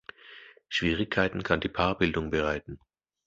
Schwierigkeiten kann die Paarbildung bereiten.